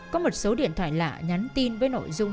cầu khai sau khi nhận được tin nhắn của chị tâm nhờ đi đón chó dũng